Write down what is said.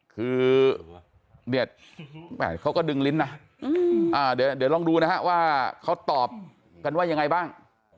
คือเนี่ยเขาก็ดึงลิ้นนะเดี๋ยวลองดูนะฮะว่าเขาตอบกันว่ายังไงบ้าง